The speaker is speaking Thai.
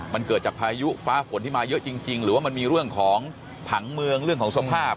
มันเกิดจากพายุฟ้าฝนที่มาเยอะจริงหรือว่ามันมีเรื่องของผังเมืองเรื่องของสภาพ